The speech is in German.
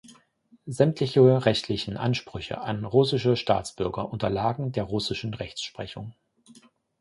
Sämtliche rechtlichen Ansprüche an russische Staatsbürger unterlagen der russischen Rechtsprechung.